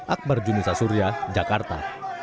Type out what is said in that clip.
akbar junisa surya jakarta